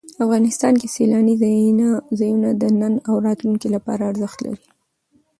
افغانستان کې سیلانی ځایونه د نن او راتلونکي لپاره ارزښت لري.